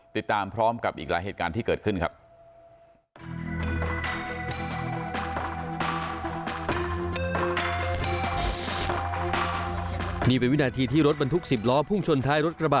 ติดตามพร้อมกับอีกหลายเหตุการณ์ที่เกิดขึ้นครับ